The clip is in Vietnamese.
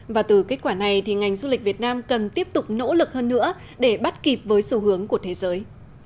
và từ kết quả này thì ngành du lịch việt nam cần tiếp tục nỗ lực hơn nữa để bắt kịp với xu hướng của thế giới